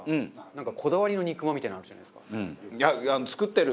なんかこだわりの肉まんみたいのあるじゃないですか。